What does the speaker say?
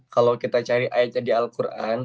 kalau kita cari ayatnya di al quran